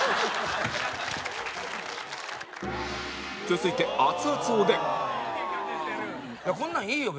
続いて熱々おでん